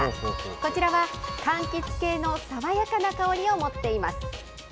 こちらはかんきつ系の爽やかな香りを持っています。